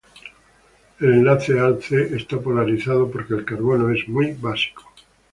El enlace Al-C está polarizado porque el carbono es muy básico.